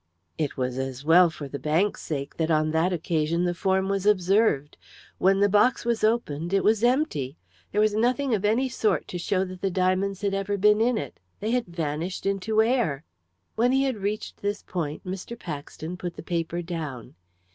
It was as well for the bank's sake that on that occasion the form was observed. When the box was opened, it was empty! There was nothing of any sort to show that the diamonds had ever been in it they had vanished into air! When he had reached this point Mr. Paxton put the paper down.